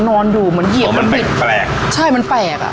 นอนดูเหมือนเหยียบอ๋อมันเป็นแปลกใช่มันแปลกอ่ะ